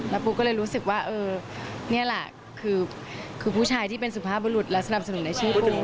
แล้วปูก็เลยรู้สึกว่าเออนี่แหละคือผู้ชายที่เป็นสุภาพบุรุษและสนับสนุนในชื่อปู